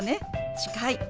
「近い」。